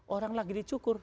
orang lagi dicukur